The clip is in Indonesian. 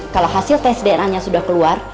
kalau hasil tes dna nya sudah keluar